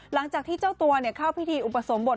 หลังจากที่เจ้าตัวเข้าพิธีอุปสมบท